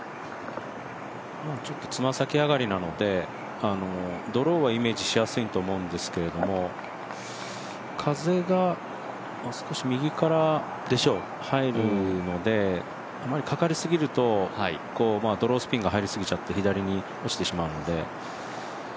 ちょっと爪先上がりなのでドローはイメージしやすいと思いますけど風が少し右から入るので、あまりかかりすぎるとドロースピンが入りすぎちゃって左に落ちてしまうので。